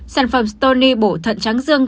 sản phẩm stony bổ thận trắng dương